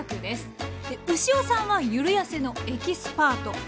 で牛尾さんはゆるやせのエキスパート。